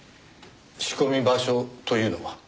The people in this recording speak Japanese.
仕込み場所というのは？